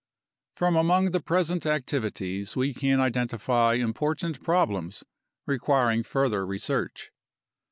From among the present activities we can identify important prob lems requiring further research.